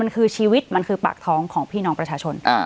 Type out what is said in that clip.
คือชีวิตปากท้องของพี่น้องประชาชน